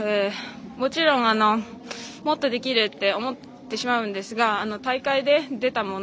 もちろん、もっとできるって思ってしまうんですが大会で出たもの